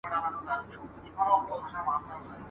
رېزمرېز به یې پر مځکه وي هډونه !.